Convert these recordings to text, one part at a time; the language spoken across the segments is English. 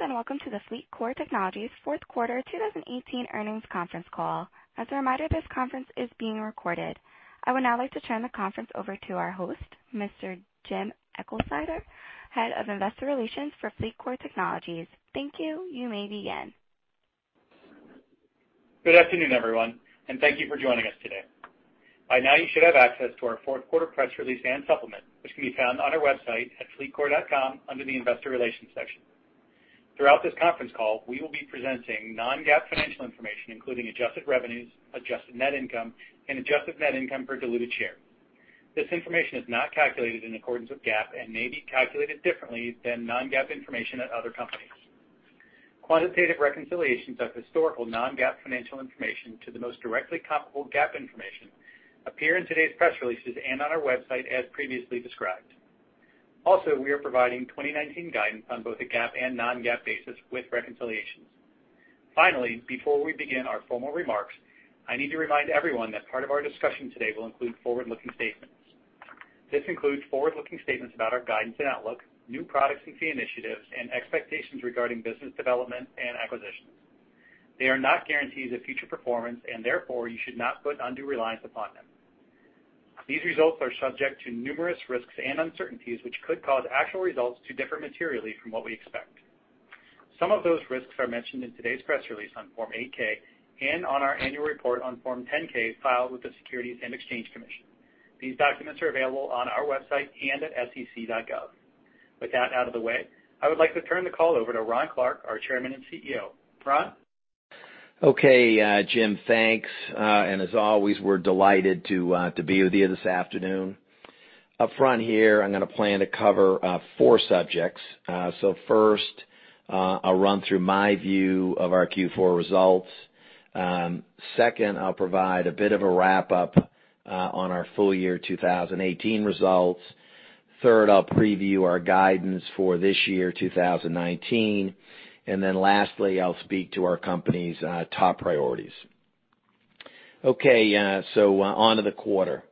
Greetings, welcome to the FleetCor Technologies fourth quarter 2018 earnings conference call. As a reminder, this conference is being recorded. I would now like to turn the conference over to our host, Mr. Jim Eglseder, head of investor relations for FleetCor Technologies. Thank you. You may begin. Good afternoon, everyone, thank you for joining us today. By now, you should have access to our fourth quarter press release and supplement, which can be found on our website at fleetcor.com under the investor relations section. Throughout this conference call, we will be presenting non-GAAP financial information, including adjusted revenues, adjusted net income, and adjusted net income per diluted share. This information is not calculated in accordance with GAAP and may be calculated differently than non-GAAP information at other companies. Quantitative reconciliations of historical non-GAAP financial information to the most directly comparable GAAP information appear in today's press releases and on our website, as previously described. We are providing 2019 guidance on both a GAAP and non-GAAP basis with reconciliations. Before we begin our formal remarks, I need to remind everyone that part of our discussion today will include forward-looking statements. This includes forward-looking statements about our guidance and outlook, new products and key initiatives, and expectations regarding business development and acquisitions. They are not guarantees of future performance, therefore, you should not put undue reliance upon them. These results are subject to numerous risks and uncertainties, which could cause actual results to differ materially from what we expect. Some of those risks are mentioned in today's press release on Form 8-K and on our annual report on Form 10-K filed with the Securities and Exchange Commission. These documents are available on our website and at sec.gov. With that out of the way, I would like to turn the call over to Ron Clarke, our chairman and CEO. Ron? Jim, thanks. As always, we're delighted to be with you this afternoon. Up front here, I'm going to plan to cover four subjects. First, I'll run through my view of our Q4 results. Second, I'll provide a bit of a wrap-up on our full year 2018 results. Third, I'll preview our guidance for this year, 2019. Lastly, I'll speak to our company's top priorities. On to the quarter.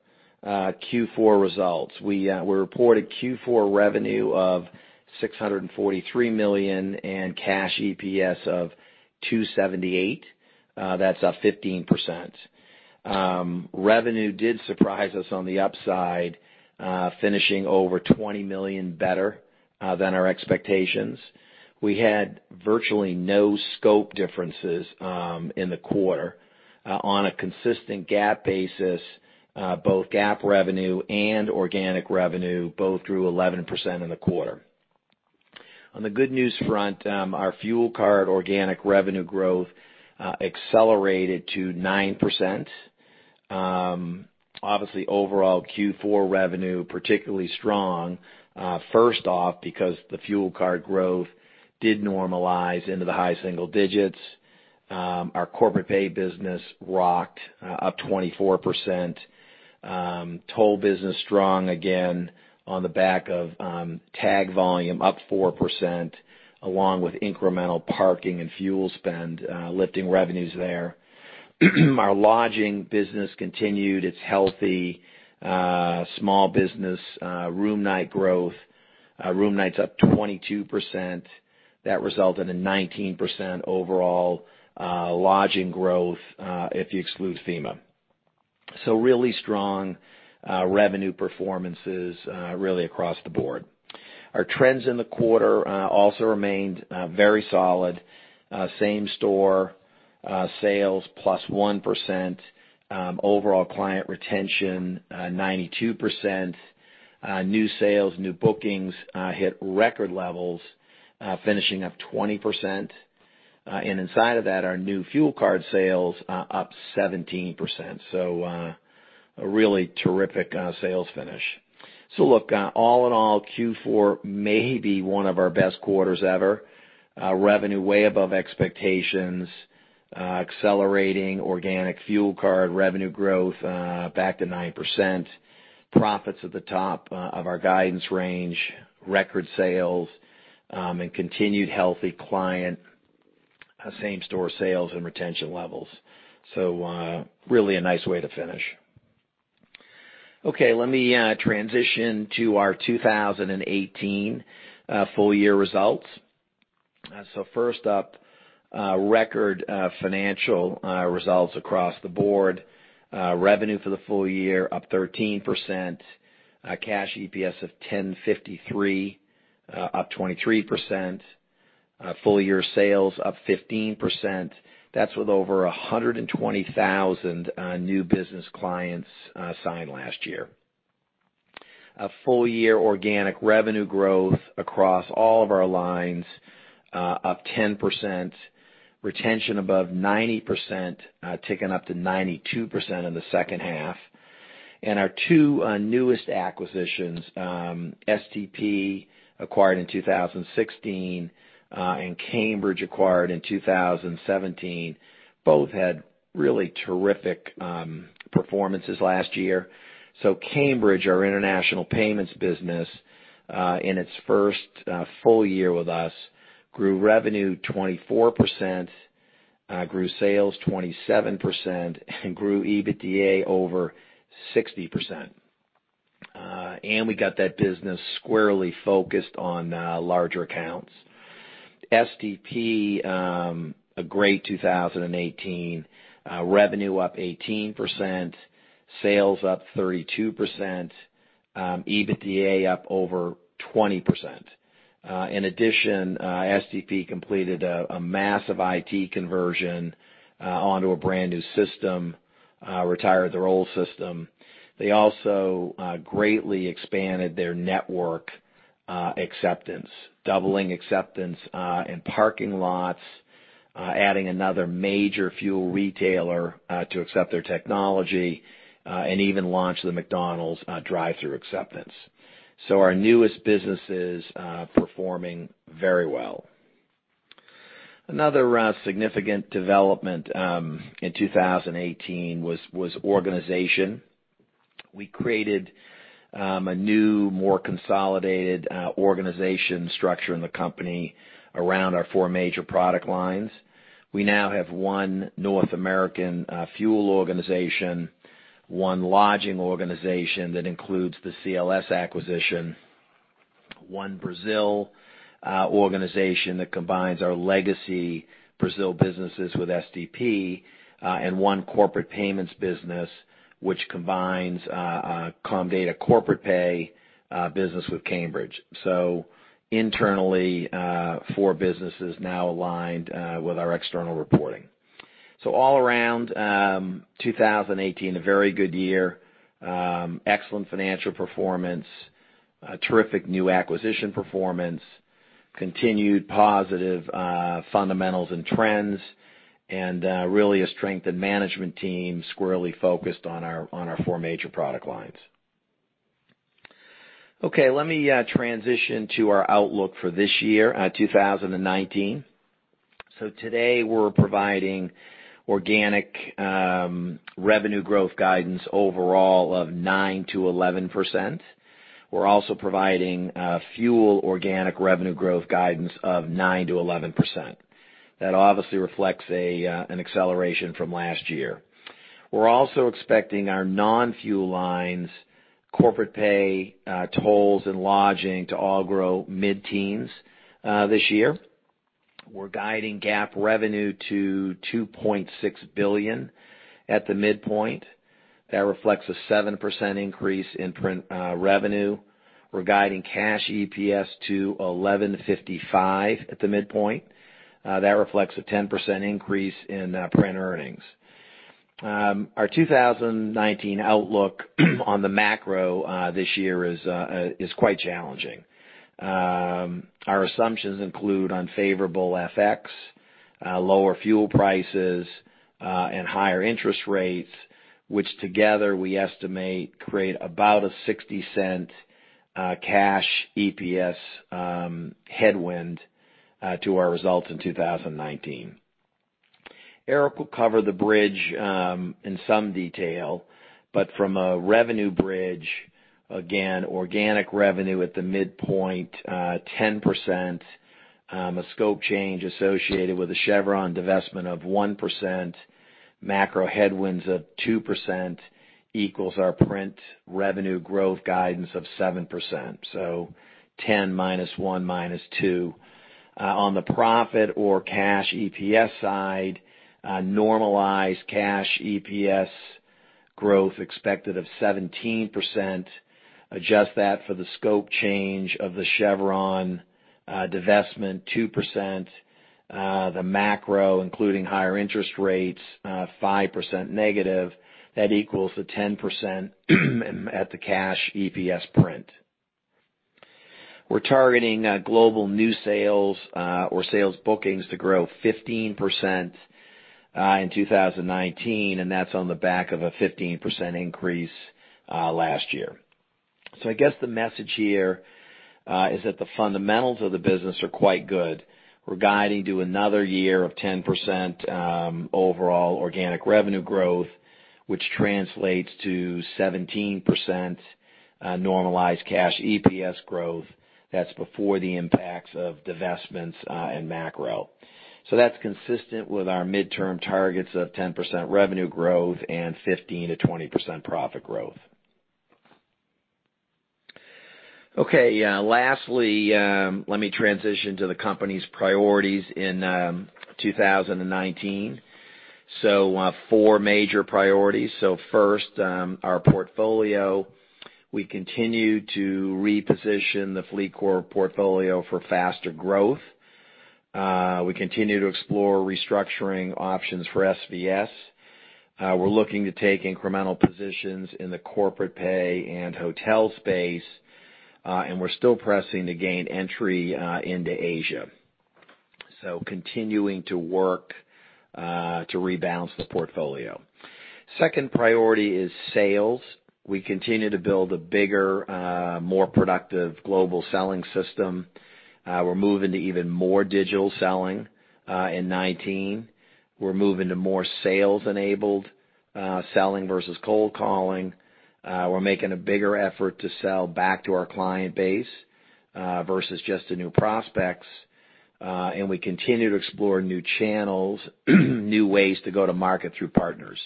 Q4 results. We reported Q4 revenue of $643 million and cash EPS of $278. That's up 15%. Revenue did surprise us on the upside, finishing over $20 million better than our expectations. We had virtually no scope differences in the quarter. On a consistent GAAP basis, both GAAP revenue and organic revenue both grew 11% in the quarter. On the good news front, our fuel card organic revenue growth accelerated to 9%. First off, because the fuel card growth did normalize into the high single digits. Our Corporate Pay business rocked up 24%. Toll business strong again on the back of tag volume up 4%, along with incremental parking and fuel spend lifting revenues there. Our lodging business continued its healthy small business room night growth. Room nights up 22%. That resulted in 19% overall lodging growth if you exclude FEMA. Really strong revenue performances really across the board. Our trends in the quarter also remained very solid. Same-store sales +1%. Overall client retention, 92%. New sales, new bookings hit record levels, finishing up 20%. Inside of that, our new fuel card sales up 17%. A really terrific sales finish. All in all, Q4 may be one of our best quarters ever. Revenue way above expectations. Accelerating organic fuel card revenue growth back to 9%. Profits at the top of our guidance range, record sales, and continued healthy client same-store sales and retention levels. Really a nice way to finish. Okay, let me transition to our 2018 full-year results. First up, record financial results across the board. Revenue for the full year up 13%. Cash EPS of $10.53, up 23%. Full-year sales up 15%. That's with over 120,000 new business clients signed last year. Full-year organic revenue growth across all of our lines up 10%. Retention above 90%, ticking up to 92% in the second half. Our two newest acquisitions, STP acquired in 2016 and Cambridge acquired in 2017, both had really terrific performances last year. Cambridge, our international payments business, in its first full year with us, grew revenue 24%, grew sales 27%, and grew EBITDA over 60%. We got that business squarely focused on larger accounts. STP, a great 2018. Revenue up 18%, sales up 32%, EBITDA up over 20%. In addition, STP completed a massive IT conversion onto a brand-new system, retired their old system. They also greatly expanded their network acceptance, doubling acceptance in parking lots, adding another major fuel retailer to accept their technology, and even launched the McDonald's drive-thru acceptance. Our newest business is performing very well. Another significant development in 2018 was organization. We created a new, more consolidated organization structure in the company around our four major product lines. We now have one North American fuel organization, one lodging organization that includes the CLC acquisition, one Brazil organization that combines our legacy Brazil businesses with STP, and one Corporate Pay business, which combines Comdata Corporate Pay business with Cambridge. Internally, four businesses now aligned with our external reporting. All around, 2018, a very good year. Excellent financial performance, terrific new acquisition performance, continued positive fundamentals and trends, and really a strengthened management team squarely focused on our four major product lines. Okay, let me transition to our outlook for this year, 2019. Today, we're providing organic revenue growth guidance overall of 9%-11%. We're also providing fuel organic revenue growth guidance of 9%-11%. That obviously reflects an acceleration from last year. We're also expecting our non-fuel lines, Corporate Pay, tolls, and lodging, to all grow mid-teens this year. We're guiding GAAP revenue to $2.6 billion at the midpoint. That reflects a 7% increase in print revenue. We're guiding cash EPS to $11.55 at the midpoint. That reflects a 10% increase in print earnings. Our 2019 outlook on the macro this year is quite challenging. Our assumptions include unfavorable FX, lower fuel prices, and higher interest rates, which together we estimate create about a $0.60 cash EPS headwind to our results in 2019. Eric will cover the bridge in some detail. From a revenue bridge, again, organic revenue at the midpoint, 10%. A scope change associated with the Chevron divestment of 1%, macro headwinds of 2% equals our print revenue growth guidance of 7%. So 10 minus one minus two. On the profit or cash EPS side, normalized cash EPS growth expected of 17%. Adjust that for the scope change of the Chevron divestment, 2%. The macro, including higher interest rates, 5% negative. That equals the 10% at the cash EPS print. We're targeting global new sales or sales bookings to grow 15% in 2019. That's on the back of a 15% increase last year. I guess the message here is that the fundamentals of the business are quite good. We're guiding to another year of 10% overall organic revenue growth, which translates to 17% normalized cash EPS growth. That's before the impacts of divestments and macro. That's consistent with our midterm targets of 10% revenue growth and 15%-20% profit growth. Lastly, let me transition to the company's priorities in 2019. Four major priorities. First, our portfolio. We continue to reposition the FleetCor portfolio for faster growth. We continue to explore restructuring options for SVS. We're looking to take incremental positions in the Corporate Pay and hotel space. We're still pressing to gain entry into Asia. Continuing to work to rebalance the portfolio. Second priority is sales. We continue to build a bigger, more productive global selling system. We're moving to even more digital selling in 2019. We're moving to more sales-enabled selling versus cold calling. We're making a bigger effort to sell back to our client base versus just to new prospects. We continue to explore new channels, new ways to go to market through partners.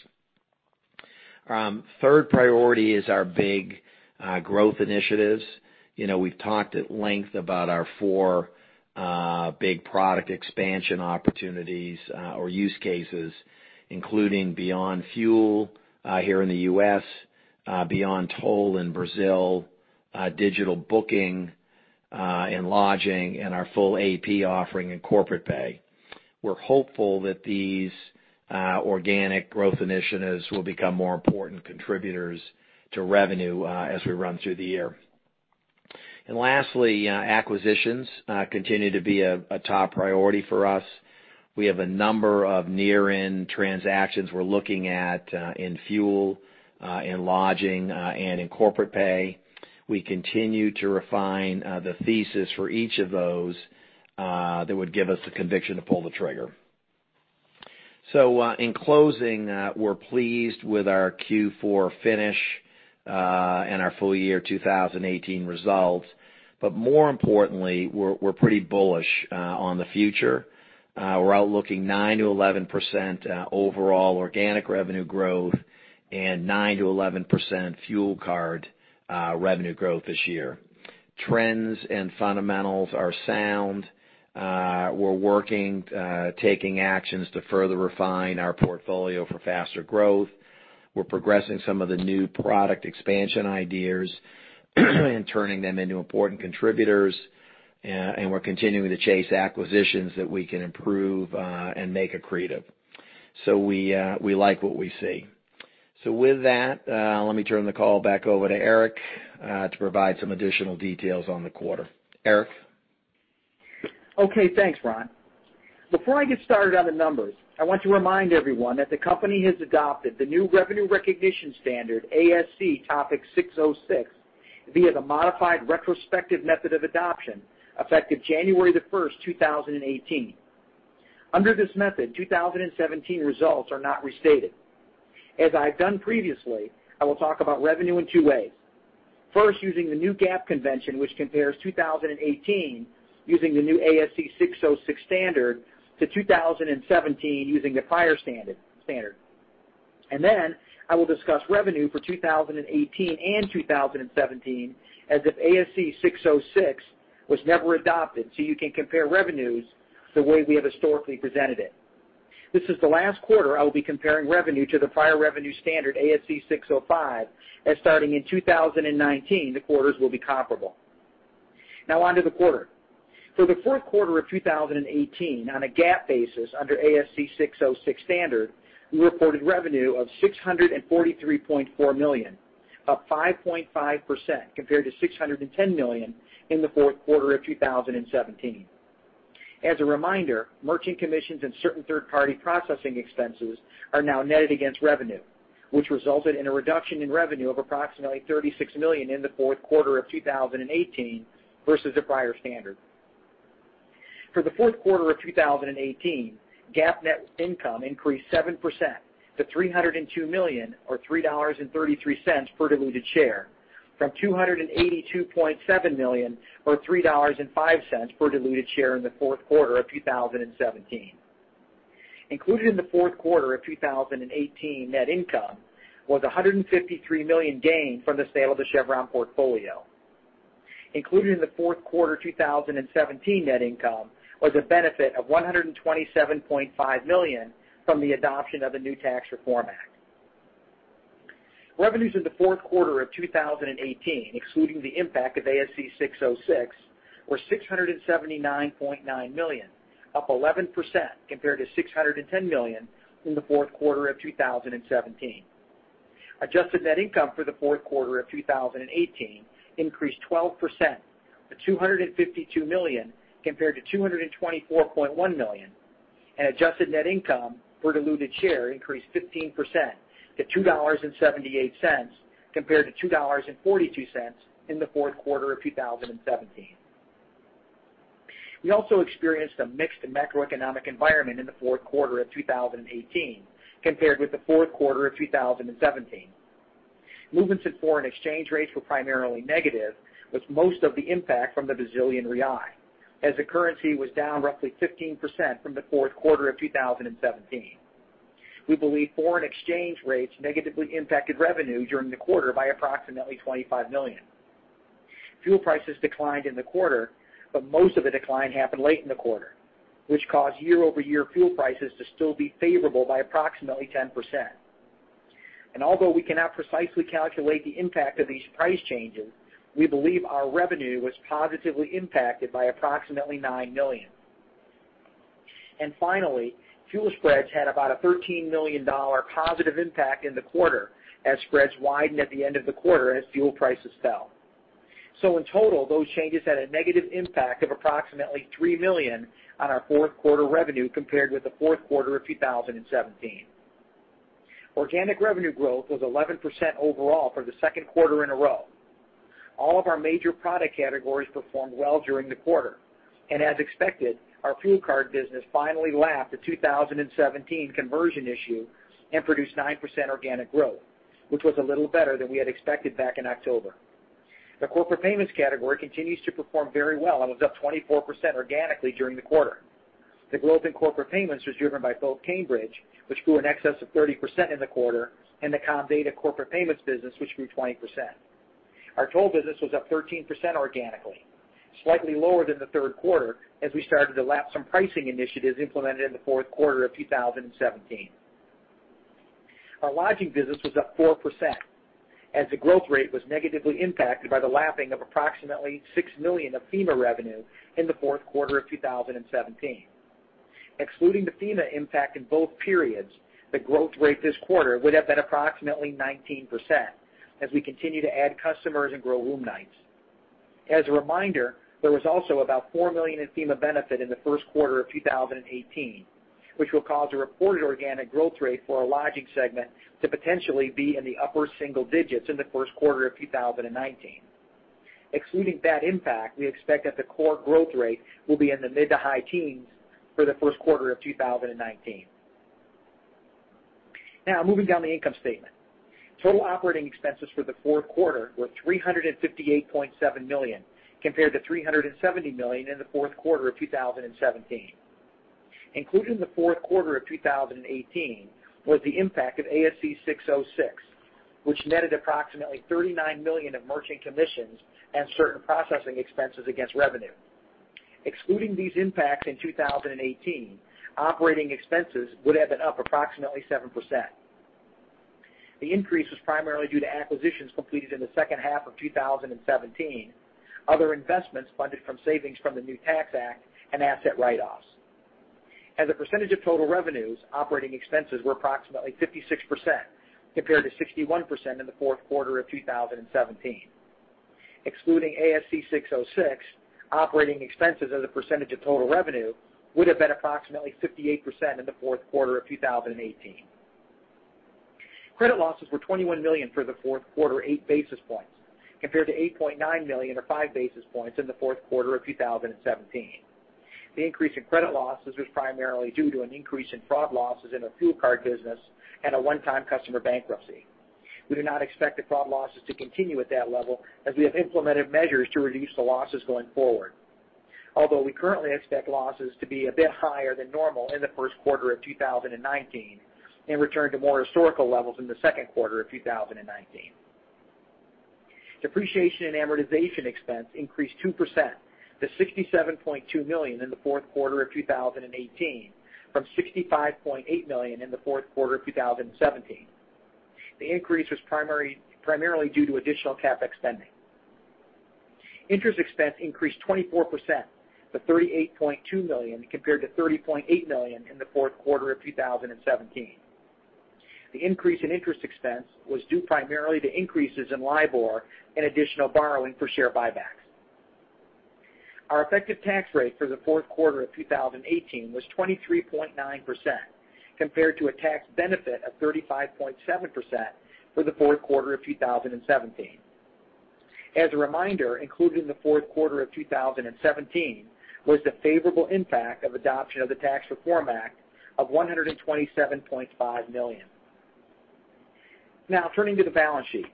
Third priority is our big growth initiatives. We've talked at length about our four big product expansion opportunities or use cases, including Beyond Fuel here in the U.S., Beyond Toll in Brazil, digital booking and lodging, and our full AP offering in Corporate Pay. We're hopeful that these organic growth initiatives will become more important contributors to revenue as we run through the year. Lastly, acquisitions continue to be a top priority for us. We have a number of near-end transactions we're looking at in fuel, in lodging, and in Corporate Pay. We continue to refine the thesis for each of those that would give us the conviction to pull the trigger. In closing, we're pleased with our Q4 finish and our full year 2018 results. More importantly, we're pretty bullish on the future. We're out looking 9%-11% overall organic revenue growth and 9%-11% fuel card revenue growth this year. Trends and fundamentals are sound. We're working, taking actions to further refine our portfolio for faster growth. We're progressing some of the new product expansion ideas and turning them into important contributors. We're continuing to chase acquisitions that we can improve and make accretive. We like what we see. With that, let me turn the call back over to Eric, to provide some additional details on the quarter. Eric? Okay, thanks, Ron. Before I get started on the numbers, I want to remind everyone that the company has adopted the new revenue recognition standard, ASC topic 606, via the modified retrospective method of adoption effective January 1st, 2018. Under this method, 2017 results are not restated. As I've done previously, I will talk about revenue in two ways. First, using the new GAAP convention, which compares 2018 using the new ASC 606 standard to 2017 using the prior standard. Then I will discuss revenue for 2018 and 2017 as if ASC 606 was never adopted, so you can compare revenues the way we have historically presented it. This is the last quarter I will be comparing revenue to the prior revenue standard, ASC 605, as starting in 2019, the quarters will be comparable. On to the quarter. For the fourth quarter of 2018, on a GAAP basis under ASC 606 standard, we reported revenue of $643.4 million, up 5.5% compared to $610 million in the fourth quarter of 2017. As a reminder, merchant commissions and certain third-party processing expenses are now netted against revenue, which resulted in a reduction in revenue of approximately $36 million in the fourth quarter of 2018 versus the prior standard. For the fourth quarter of 2018, GAAP net income increased 7% to $302 million or $3.33 per diluted share from $282.7 million or $3.05 per diluted share in the fourth quarter of 2017. Included in the fourth quarter of 2018 net income was $153 million gained from the sale of the Chevron portfolio. Included in the fourth quarter 2017 net income was a benefit of $127.5 million from the adoption of the new Tax Reform Act. Revenues in the fourth quarter of 2018, excluding the impact of ASC 606, were $679.9 million, up 11% compared to $610 million in the fourth quarter of 2017. Adjusted net income for the fourth quarter of 2018 increased 12% to $252 million compared to $224.1 million. Adjusted net income per diluted share increased 15% to $2.78 compared to $2.42 in the fourth quarter of 2017. We also experienced a mixed macroeconomic environment in the fourth quarter of 2018 compared with the fourth quarter of 2017. Movements in foreign exchange rates were primarily negative, with most of the impact from the Brazilian real, as the currency was down roughly 15% from the fourth quarter of 2017. We believe foreign exchange rates negatively impacted revenue during the quarter by approximately $25 million. Fuel prices declined in the quarter, most of the decline happened late in the quarter, which caused year-over-year fuel prices to still be favorable by approximately 10%. Although we cannot precisely calculate the impact of these price changes, we believe our revenue was positively impacted by approximately $9 million. Finally, fuel spreads had about a $13 million positive impact in the quarter, as spreads widened at the end of the quarter as fuel prices fell. In total, those changes had a negative impact of approximately $3 million on our fourth quarter revenue compared with the fourth quarter of 2017. Organic revenue growth was 11% overall for the second quarter in a row. All of our major product categories performed well during the quarter. As expected, our fuel card business finally lapped the 2017 conversion issue and produced 9% organic growth, which was a little better than we had expected back in October. The Corporate Pay category continues to perform very well and was up 24% organically during the quarter. The growth in Corporate Pay was driven by both Cambridge, which grew in excess of 30% in the quarter, and the Comdata Corporate Pay business, which grew 20%. Our toll business was up 13% organically, slightly lower than the third quarter as we started to lap some pricing initiatives implemented in the fourth quarter of 2017. Our lodging business was up 4%, as the growth rate was negatively impacted by the lapping of approximately $6 million of FEMA revenue in the fourth quarter of 2017. Excluding the FEMA impact in both periods, the growth rate this quarter would have been approximately 19% as we continue to add customers and grow room nights. As a reminder, there was also about $4 million in FEMA benefit in the first quarter of 2018, which will cause a reported organic growth rate for our lodging segment to potentially be in the upper single digits in the first quarter of 2019. Excluding that impact, we expect that the core growth rate will be in the mid to high teens for the first quarter of 2019. Moving down the income statement. Total operating expenses for the fourth quarter were $358.7 million compared to $370 million in the fourth quarter of 2017. Included in the fourth quarter of 2018 was the impact of ASC 606, which netted approximately $39 million of merchant commissions and certain processing expenses against revenue. Excluding these impacts in 2018, operating expenses would have been up approximately 7%. The increase was primarily due to acquisitions completed in the second half of 2017, other investments funded from savings from the new Tax Act, and asset write-offs. As a percentage of total revenues, operating expenses were approximately 56% compared to 61% in the fourth quarter of 2017. Excluding ASC 606, operating expenses as a percentage of total revenue would have been approximately 58% in the fourth quarter of 2018. Credit losses were $21 million for the fourth quarter, eight basis points, compared to $8.9 million or five basis points in the fourth quarter of 2017. The increase in credit losses was primarily due to an increase in fraud losses in the fuel card business and a one-time customer bankruptcy. We do not expect the fraud losses to continue at that level as we have implemented measures to reduce the losses going forward. We currently expect losses to be a bit higher than normal in the first quarter of 2019 and return to more historical levels in the second quarter of 2019. Depreciation and amortization expense increased 2% to $67.2 million in the fourth quarter of 2018 from $65.8 million in the fourth quarter of 2017. The increase was primarily due to additional CapEx spending. Interest expense increased 24% to $38.2 million compared to $30.8 million in the fourth quarter of 2017. The increase in interest expense was due primarily to increases in LIBOR and additional borrowing for share buybacks. Our effective tax rate for the fourth quarter of 2018 was 23.9%, compared to a tax benefit of 35.7% for the fourth quarter of 2017. As a reminder, included in the fourth quarter of 2017 was the favorable impact of adoption of the Tax Reform Act of $127.5 million. Turning to the balance sheet.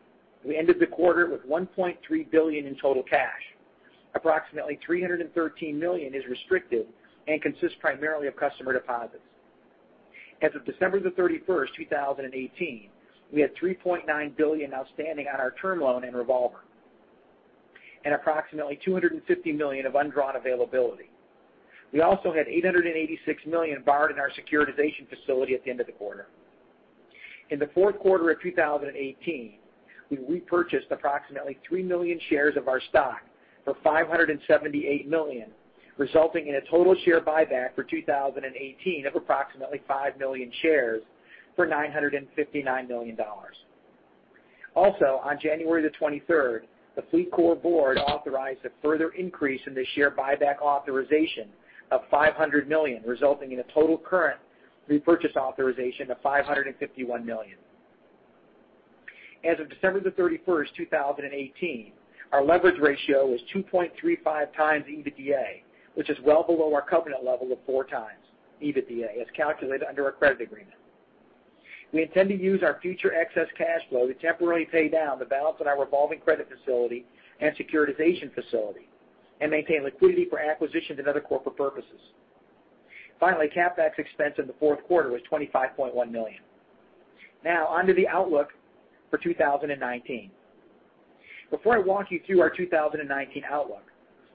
We ended the quarter with $1.3 billion in total cash. Approximately $313 million is restricted and consists primarily of customer deposits. As of December 31st, 2018, we had $3.9 billion outstanding on our term loan and revolver and approximately $250 million of undrawn availability. We also had $886 million borrowed in our securitization facility at the end of the quarter. In the fourth quarter of 2018, we repurchased approximately three million shares of our stock for $578 million, resulting in a total share buyback for 2018 of approximately five million shares for $959 million. On January 23rd, the FleetCor board authorized a further increase in the share buyback authorization of $500 million, resulting in a total current repurchase authorization of $551 million. As of December 31st, 2018, our leverage ratio was 2.35 times EBITDA, which is well below our covenant level of 4 times EBITDA as calculated under our credit agreement. We intend to use our future excess cash flow to temporarily pay down the balance on our revolving credit facility and securitization facility and maintain liquidity for acquisitions and other corporate purposes. Finally, CapEx expense in the fourth quarter was $25.1 million. On to the outlook for 2019. Before I walk you through our 2019 outlook,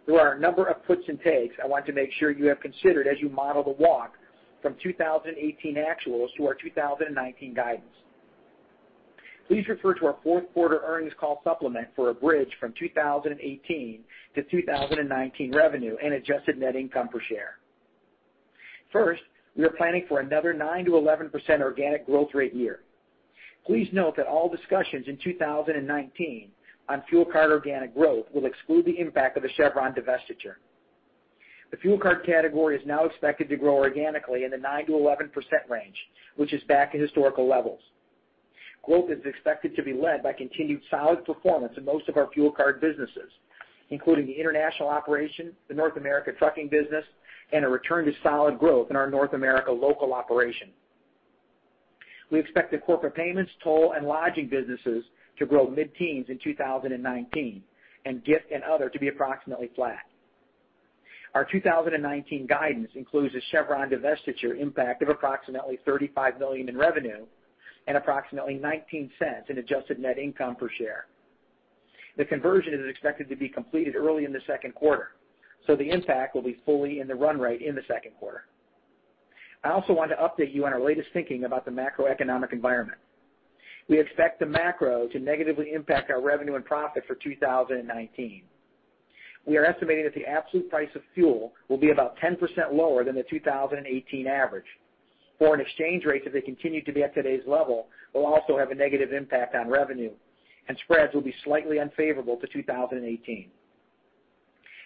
there are a number of puts and takes I want to make sure you have considered as you model the walk from 2018 actuals to our 2019 guidance. Please refer to our fourth quarter earnings call supplement for a bridge from 2018 to 2019 revenue and adjusted net income per share. First, we are planning for another 9%-11% organic growth rate year. Please note that all discussions in 2019 on fuel card organic growth will exclude the impact of the Chevron divestiture. The fuel card category is now expected to grow organically in the 9%-11% range, which is back in historical levels. Growth is expected to be led by continued solid performance in most of our fuel card businesses, including the international operation, the North America trucking business, and a return to solid growth in our North America local operation. We expect the corporate payments toll and lodging businesses to grow mid-teens in 2019 and gift and other to be approximately flat. Our 2019 guidance includes a Chevron divestiture impact of approximately $35 million in revenue and approximately $0.19 in adjusted net income per share. The conversion is expected to be completed early in the second quarter, the impact will be fully in the run rate in the second quarter. I also wanted to update you on our latest thinking about the macroeconomic environment. We expect the macro to negatively impact our revenue and profit for 2019. We are estimating that the absolute price of fuel will be about 10% lower than the 2018 average. Foreign exchange rates, if they continue to be at today's level, will also have a negative impact on revenue, and spreads will be slightly unfavorable to 2018.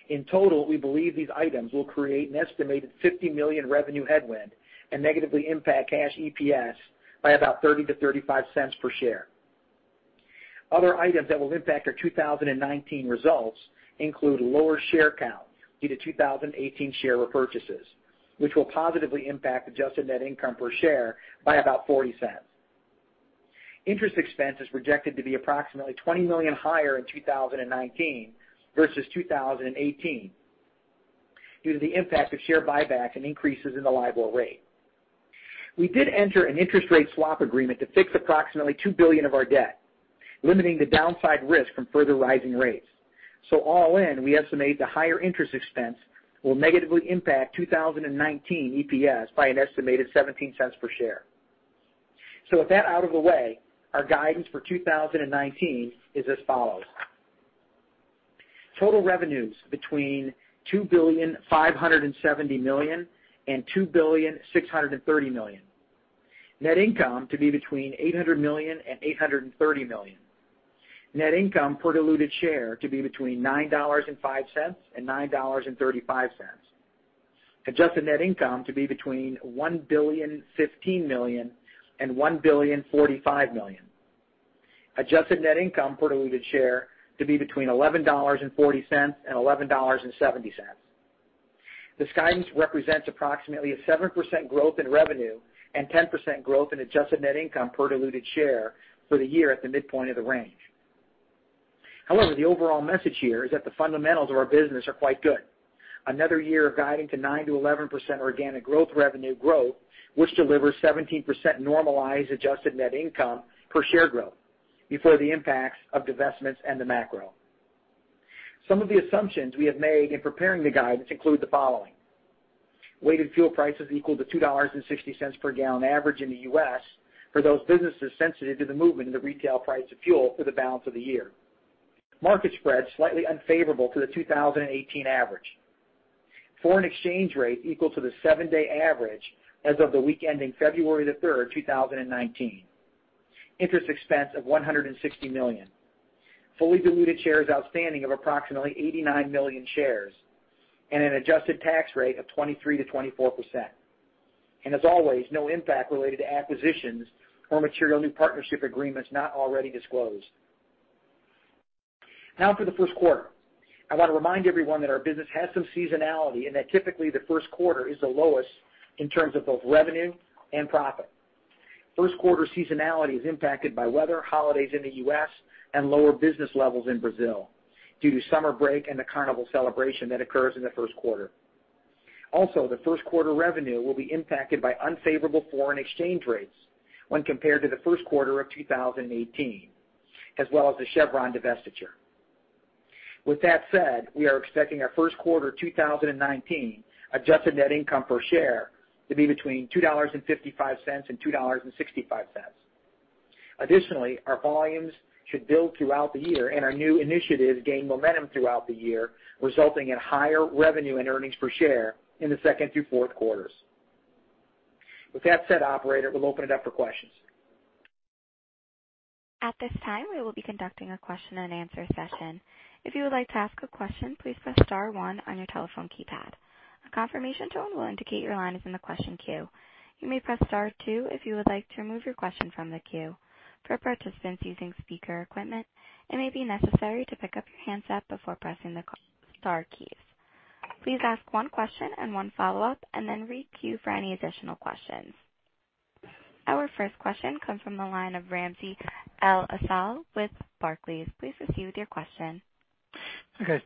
In total, we believe these items will create an estimated $50 million revenue headwind and negatively impact cash EPS by about $0.30-$0.35 per share. Other items that will impact our 2019 results include lower share count due to 2018 share repurchases, which will positively impact adjusted net income per share by about $0.40. Interest expense is projected to be approximately $20 million higher in 2019 versus 2018 due to the impact of share buybacks and increases in the LIBOR rate. We did enter an interest rate swap agreement to fix approximately $2 billion of our debt, limiting the downside risk from further rising rates. All in, we estimate the higher interest expense will negatively impact 2019 EPS by an estimated $0.17 per share. With that out of the way, our guidance for 2019 is as follows. Total revenues between $2.57 billion and $2.63 billion. Net income to be between $800 million and $830 million. Net income per diluted share to be between $9.05 and $9.35. Adjusted net income to be between $1.015 billion and $1.045 billion. Adjusted net income per diluted share to be between $11.40 and $11.70. This guidance represents approximately a 7% growth in revenue and 10% growth in adjusted net income per diluted share for the year at the midpoint of the range. The overall message here is that the fundamentals of our business are quite good. Another year of guiding to 9%-11% organic growth revenue growth, which delivers 17% normalized adjusted net income per share growth before the impacts of divestments and the macro. Some of the assumptions we have made in preparing the guidance include the following. Weighted fuel prices equal to $2.60 per gallon average in the U.S. for those businesses sensitive to the movement in the retail price of fuel for the balance of the year. Market spreads slightly unfavorable to the 2018 average. Foreign exchange rate equal to the seven-day average as of the week ending February the third, 2019. Interest expense of $160 million. Fully diluted shares outstanding of approximately 89 million shares, and an adjusted tax rate of 23%-24%. As always, no impact related to acquisitions or material new partnership agreements not already disclosed. Now for the first quarter. I want to remind everyone that our business has some seasonality and that typically, the first quarter is the lowest in terms of both revenue and profit. First quarter seasonality is impacted by weather, holidays in the U.S., and lower business levels in Brazil due to summer break and the carnival celebration that occurs in the first quarter. The first quarter revenue will be impacted by unfavorable foreign exchange rates when compared to the first quarter of 2018, as well as the Chevron divestiture. We are expecting our first quarter 2019 adjusted net income per share to be between $2.55 and $2.65. Our volumes should build throughout the year, and our new initiatives gain momentum throughout the year, resulting in higher revenue and earnings per share in the second through fourth quarters. Operator, we'll open it up for questions. We will be conducting a question and answer session. If you would like to ask a question, please press *1 on your telephone keypad. A confirmation tone will indicate your line is in the question queue. You may press *2 if you would like to remove your question from the queue. For participants using speaker equipment, it may be necessary to pick up your handset before pressing the star keys. Please ask one question and one follow-up, and then queue for any additional questions. Our first question comes from the line of Ramsey El-Assal with Barclays. Please proceed with your question.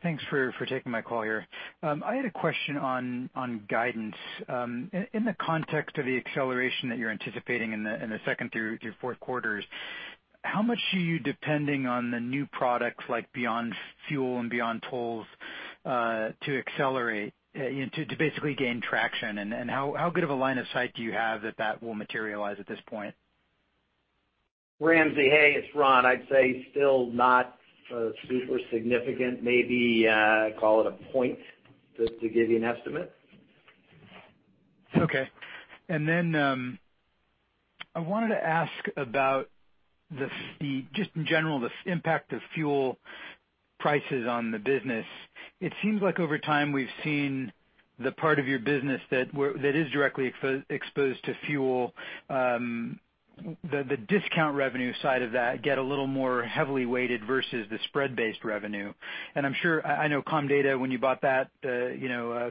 Thanks for taking my call here. I had a question on guidance. In the context of the acceleration that you're anticipating in the second through fourth quarters, how much are you depending on the new products like Beyond Fuel and Beyond Toll, to accelerate, to basically gain traction, and how good of a line of sight do you have that that will materialize at this point? Ramsey, hey, it's Ron. I'd say still not super significant. Maybe call it a point just to give you an estimate. Okay. I wanted to ask about just in general, the impact of fuel prices on the business. It seems like over time, we've seen. The part of your business that is directly exposed to fuel, the discount revenue side of that get a little more heavily weighted versus the spread-based revenue. I'm sure, I know Comdata, when you bought that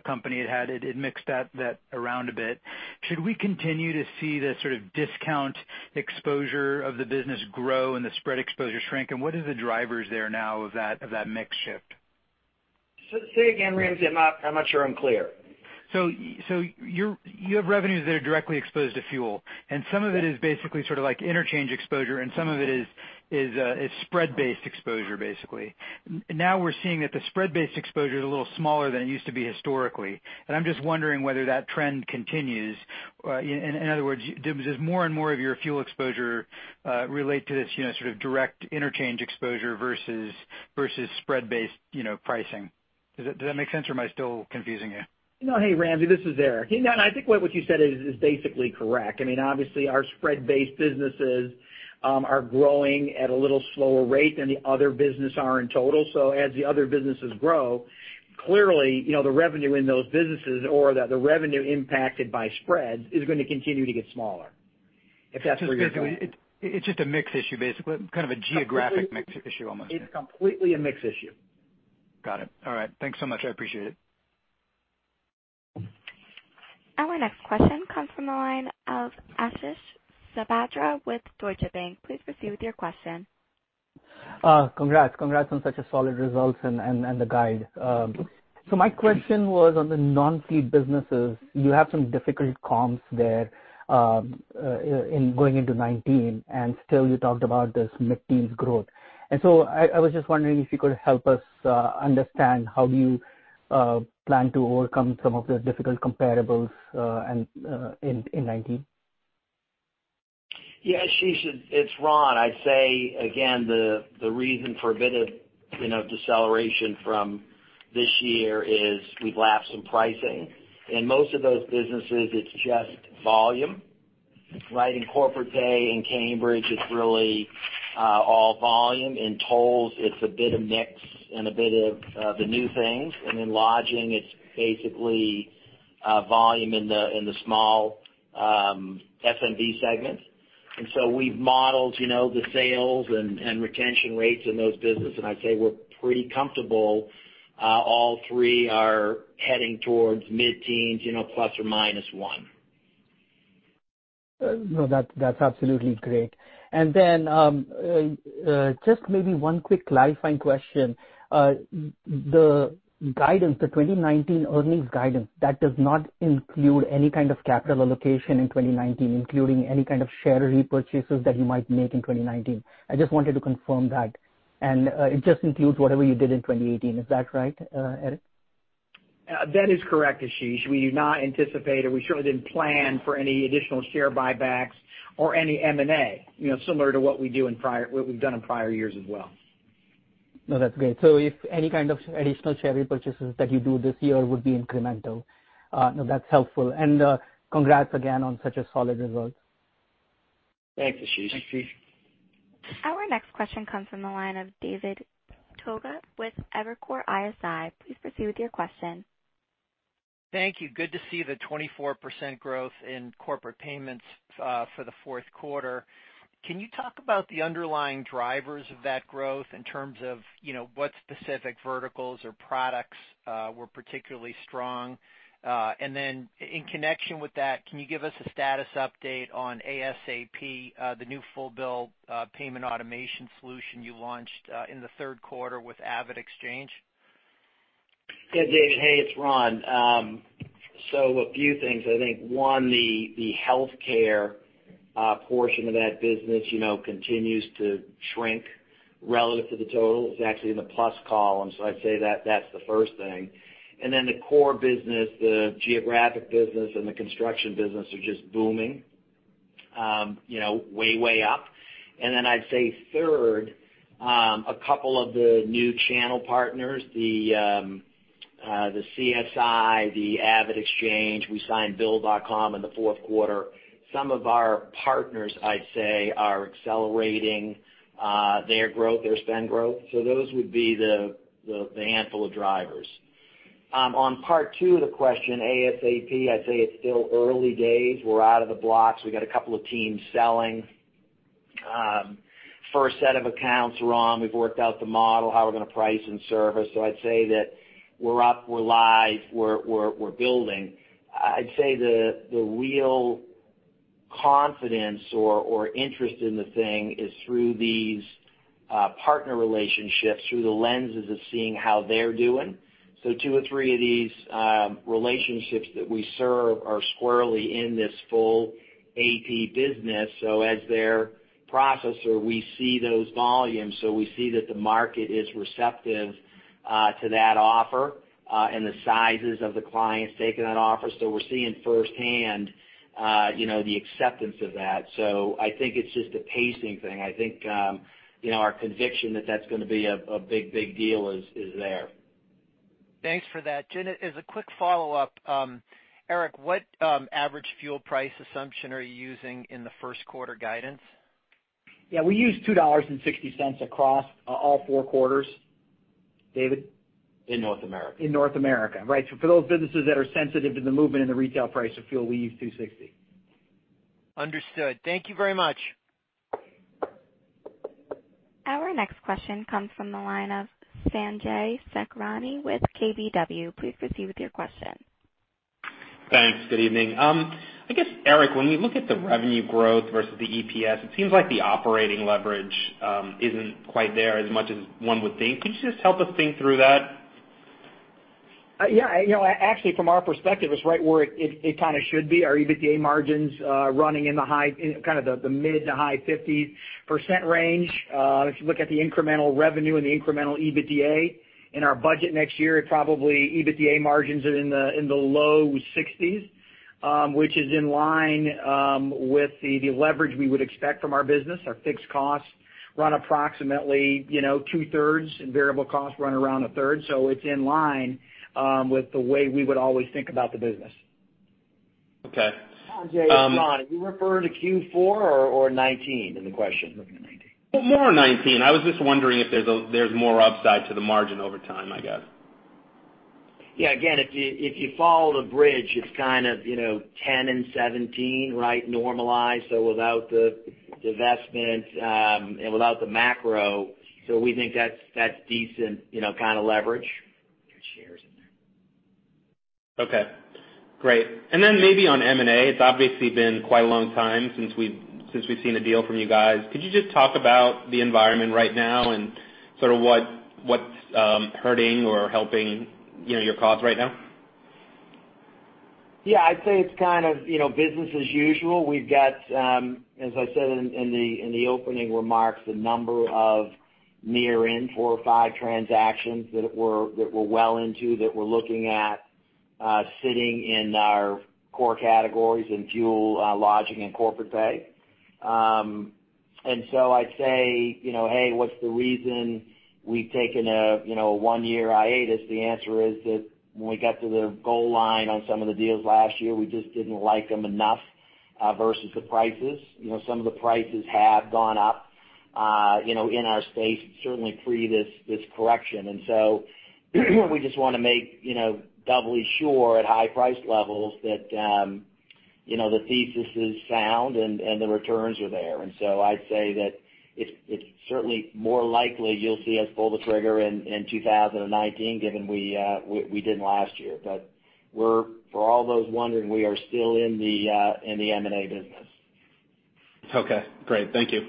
company, it mixed that around a bit. Should we continue to see the sort of discount exposure of the business grow and the spread exposure shrink? What are the drivers there now of that mix shift? Say again, Ramsey, I'm not sure I'm clear. You have revenues that are directly exposed to fuel, some of it is basically sort of interchange exposure, some of it is spread-based exposure, basically. Now we're seeing that the spread-based exposure is a little smaller than it used to be historically. I'm just wondering whether that trend continues. In other words, does more and more of your fuel exposure relate to this sort of direct interchange exposure versus spread-based pricing? Does that make sense, or am I still confusing you? No. Hey, Ramsey, this is Eric. I think what you said is basically correct. Obviously, our spread-based businesses are growing at a little slower rate than the other business are in total. As the other businesses grow, clearly the revenue in those businesses, or the revenue impacted by spreads, is going to continue to get smaller. If that's where you're going. It's just a mix issue, basically. Kind of a geographic mix issue, almost. It's completely a mix issue. Got it. All right. Thanks so much. I appreciate it. Our next question comes from the line of Ashish Sabadra with Deutsche Bank. Please proceed with your question. Congrats on such a solid results and the guide. My question was on the non-fleet businesses. You have some difficult comps there going into 2019, and still you talked about this mid-teens growth. I was just wondering if you could help us understand how do you plan to overcome some of the difficult comparables in 2019? Yeah, Ashish, it's Ron. I'd say, again, the reason for a bit of deceleration from this year is we've lapped some pricing. In most of those businesses, it's just volume, right? In Corporate Pay and Cambridge, it's really all volume. In tolls, it's a bit of mix and a bit of the new things. In lodging, it's basically volume in the small SMB segment. We've modeled the sales and retention rates in those businesses, and I'd say we're pretty comfortable all three are heading towards mid-teens, plus or minus one. No, that's absolutely great. Just maybe one quick clarifying question. The guidance, the 2019 earnings guidance, that does not include any kind of capital allocation in 2019, including any kind of share repurchases that you might make in 2019. I just wanted to confirm that. It just includes whatever you did in 2018. Is that right, Eric? That is correct, Ashish. We do not anticipate, and we surely didn't plan for any additional share buybacks or any M&A, similar to what we've done in prior years as well. That's great. If any kind of additional share repurchases that you do this year would be incremental. That's helpful. Congrats again on such a solid result. Thanks, Ashish. Thanks, Ashish. Our next question comes from the line of David Togut with Evercore ISI. Please proceed with your question. Thank you. Good to see the 24% growth in corporate payments for the fourth quarter. Can you talk about the underlying drivers of that growth in terms of what specific verticals or products were particularly strong? In connection with that, can you give us a status update on ASAP, the new full bill payment automation solution you launched in the third quarter with AvidXchange? Yeah, Dave. Hey, it's Ron. A few things. I think, one, the healthcare portion of that business continues to shrink relative to the total. It's actually in the plus column. I'd say that's the first thing. The core business, the geographic business and the construction business are just booming. Way up. I'd say third, a couple of the new channel partners, the CSI, the AvidXchange. We signed Bill.com in the fourth quarter. Some of our partners, I'd say, are accelerating their growth, their spend growth. Those would be the handful of drivers. On part two of the question, ASAP, I'd say it's still early days. We're out of the blocks. We've got a couple of teams selling. First set of accounts are on. We've worked out the model, how we're going to price and service. I'd say that we're up, we're live, we're building. I'd say the real confidence or interest in the thing is through these partner relationships, through the lenses of seeing how they're doing. Two or three of these relationships that we serve are squarely in this full AP business. As their processor, we see those volumes. We see that the market is receptive to that offer and the sizes of the clients taking that offer. We're seeing firsthand the acceptance of that. I think it's just a pacing thing. I think our conviction that that's going to be a big deal is there. Thanks for that. As a quick follow-up, Eric, what average fuel price assumption are you using in the first quarter guidance? Yeah, we use $2.60 across all 4 quarters. David? In North America. In North America, right. For those businesses that are sensitive to the movement in the retail price of fuel, we use $2.60. Understood. Thank you very much. Our next question comes from the line of Sanjay Sakhrani with KBW. Please proceed with your question. Thanks. Good evening. I guess, Eric, when we look at the revenue growth versus the EPS, it seems like the operating leverage isn't quite there as much as one would think. Could you just help us think through that? Yeah. Actually, from our perspective, it's right where it kind of should be. Our EBITDA margin's running in the mid to high 50s% range. If you look at the incremental revenue and the incremental EBITDA in our budget next year, probably EBITDA margins are in the low 60s, which is in line with the leverage we would expect from our business. Our fixed costs run approximately two-thirds, and variable costs run around a third. It's in line with the way we would always think about the business. Okay. Sanjay, it's Ron. Are you referring to Q4 or 2019 in the question? Looking at 2019. More 2019. I was just wondering if there's more upside to the margin over time, I guess. If you follow the bridge, it's kind of, 10 and 17, right? Normalized, without the divestment and without the macro. We think that's decent kind of leverage. Get shares in there. Maybe on M&A, it's obviously been quite a long time since we've seen a deal from you guys. Could you just talk about the environment right now and sort of what's hurting or helping your cause right now? I'd say it's kind of business as usual. We've got, as I said in the opening remarks, a number of near-in four or five transactions that we're well into, that we're looking at sitting in our core categories in fuel, lodging, and Corporate Pay. I'd say, hey, what's the reason we've taken a one-year hiatus? The answer is that when we got to the goal line on some of the deals last year, we just didn't like them enough versus the prices. Some of the prices have gone up in our space, certainly pre this correction. We just want to make doubly sure at high price levels that the thesis is sound and the returns are there. I'd say that it's certainly more likely you'll see us pull the trigger in 2019 given we didn't last year. For all those wondering, we are still in the M&A business. Okay, great. Thank you.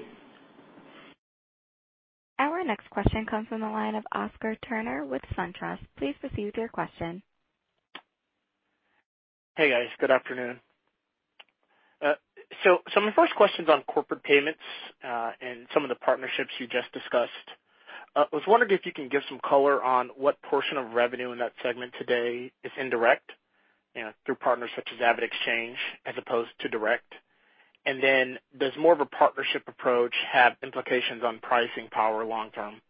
Our next question comes from the line of Oscar Turner with SunTrust. Please proceed with your question. Hey, guys. Good afternoon. My first question's on Corporate Pay and some of the partnerships you just discussed. I was wondering if you can give some color on what portion of revenue in that segment today is indirect through partners such as AvidXchange as opposed to direct. Does more of a partnership approach have implications on pricing power long term?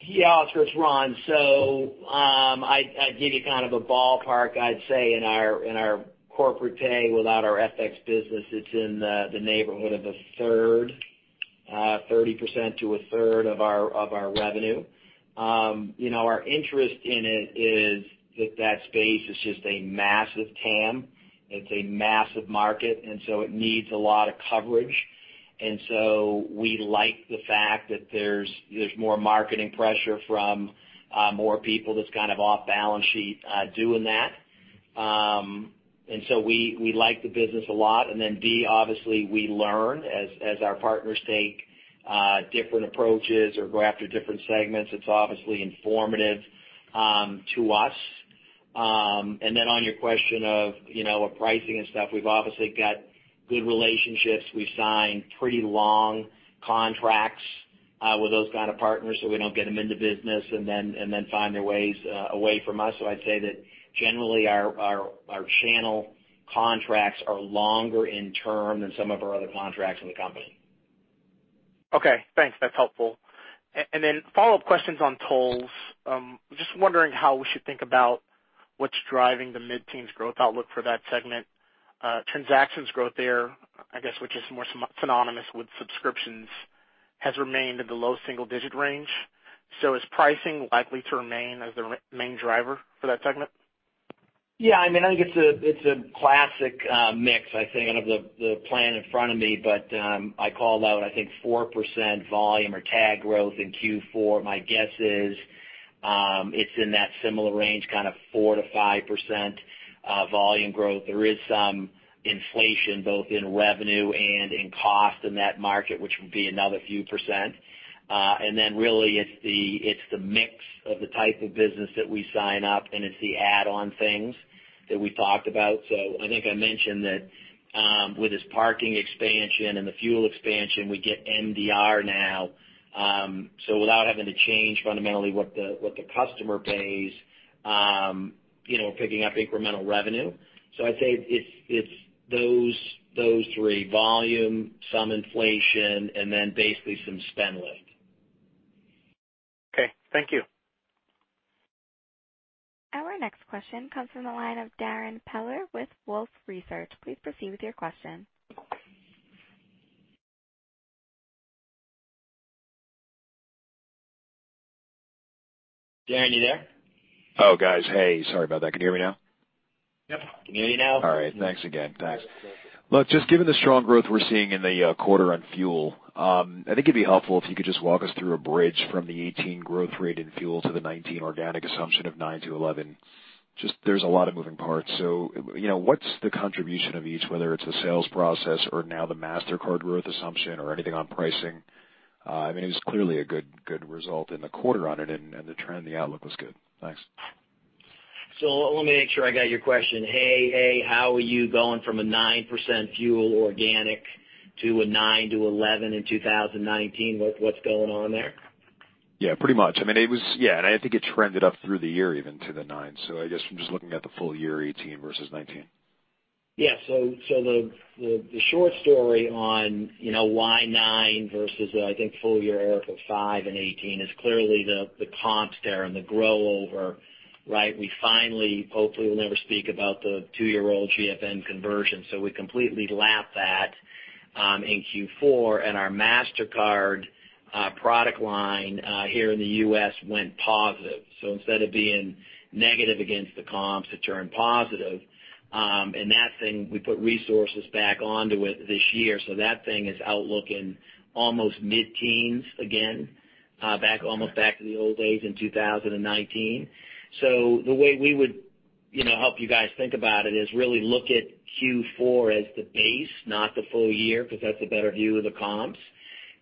Yeah, Oscar, it's Ron. I'd give you kind of a ballpark. I'd say in our Corporate Pay without our FX business, it's in the neighborhood of a third, 30% to a third of our revenue. Our interest in it is that that space is just a massive TAM. It's a massive market, it needs a lot of coverage. We like the fact that there's more marketing pressure from more people that's kind of off balance sheet doing that. We like the business a lot. B, obviously we learn as our partners take different approaches or go after different segments. It's obviously informative to us. On your question of our pricing and stuff, we've obviously got good relationships. We've signed pretty long contracts with those kind of partners, so we don't get them into business and then find their ways away from us. I'd say that generally our channel contracts are longer in term than some of our other contracts in the company. Okay, thanks. That's helpful. Follow-up questions on tolls. Just wondering how we should think about what's driving the mid-teens growth outlook for that segment. Transactions growth there, I guess, which is more synonymous with subscriptions, has remained in the low single-digit range. Is pricing likely to remain as the main driver for that segment? Yeah, I think it's a classic mix. I don't have the plan in front of me, I called out, I think 4% volume or tag growth in Q4. My guess is it's in that similar range, kind of 4%-5% volume growth. There is some inflation both in revenue and in cost in that market, which would be another few percent. Really it's the mix of the type of business that we sign up, and it's the add-on things that we talked about. I think I mentioned that with this parking expansion and the fuel expansion, we get MDR now. Without having to change fundamentally what the customer pays, we're picking up incremental revenue. I'd say it's those three, volume, some inflation, and then basically some spend lift. Okay. Thank you. Our next question comes from the line of Darrin Peller with Wolfe Research. Please proceed with your question. Darrin, you there? Oh, guys. Hey, sorry about that. Can you hear me now? Yep. Can hear you now. All right. Thanks again. Thanks. Look, just given the strong growth we're seeing in the quarter on fuel, I think it'd be helpful if you could just walk us through a bridge from the 2018 growth rate in fuel to the 2019 organic assumption of 9%-11%. There's a lot of moving parts. What's the contribution of each, whether it's the sales process or now the Mastercard growth assumption or anything on pricing? It was clearly a good result in the quarter on it, and the trend, the outlook was good. Thanks. Let me make sure I got your question. Hey, how are you going from a 9% fuel organic to a 9%-11% in 2019? What's going on there? Pretty much. I think it trended up through the year even to the nine. I guess from just looking at the full year 2018 versus 2019. The short story on why nine versus, I think, full year of five in 2018 is clearly the comps there and the grow over. We finally hopefully, we'll never speak about the two-year-old Global FleetNet conversion, we completely lapped that in Q4, and our Mastercard product line here in the U.S. went positive. Instead of being negative against the comps, it turned positive. That thing, we put resources back onto it this year. That thing is outlooking almost mid-teens again, almost back to the old days in 2019. The way we would help you guys think about it is really look at Q4 as the base, not the full year, because that's a better view of the comps.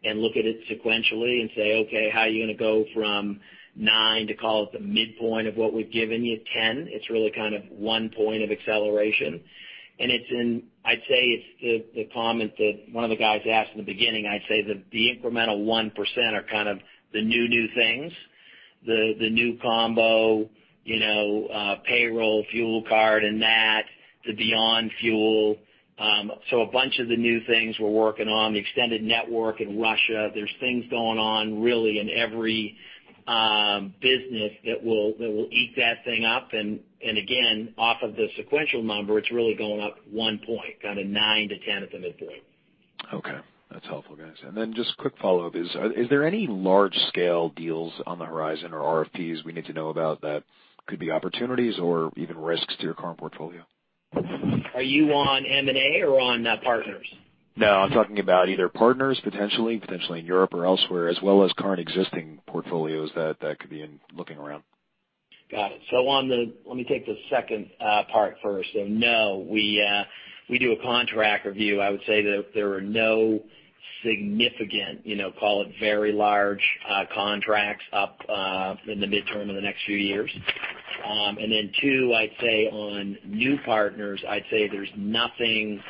Look at it sequentially and say, okay, how are you going to go from nine to, call it, the midpoint of what we've given you, 10? It's really kind of one point of acceleration. I'd say it's the comment that one of the guys asked in the beginning. I'd say that the incremental 1% are kind of the new things. The new combo, payroll, fuel card, and that, the Beyond Fuel. A bunch of the new things we're working on, the extended network in Russia. There's things going on really in every business that will eat that thing up. Again, off of the sequential number, it's really going up one point, kind of nine to 10 at the midpoint. Okay. That's helpful, guys. Just quick follow-up is there any large-scale deals on the horizon or RFPs we need to know about that could be opportunities or even risks to your current portfolio? Are you on M&A or on partners? No, I'm talking about either partners potentially, in Europe or elsewhere, as well as current existing portfolios that could be looking around. Got it. Let me take the second part first. No, we do a contract review. I would say that there are no significant, call it very large contracts up in the midterm in the next few years. Two, I'd say on new partners, I'd say there's nothing